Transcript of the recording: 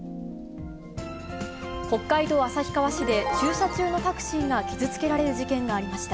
北海道旭川市で、駐車中のタクシーが傷つけられる事件がありました。